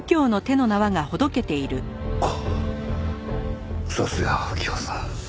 あっさすがは右京さん。